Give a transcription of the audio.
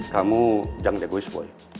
kamu jangan jago is boy